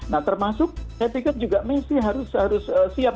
nah termasuk saya pikir juga messi harus siap